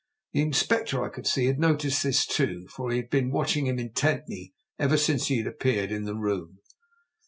The Inspector I could see had noticed this too, for he had been watching him intently ever since he had appeared in the room.